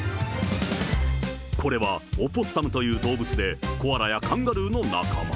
これは、オポッサムという動物で、コアラやカンガルーの仲間。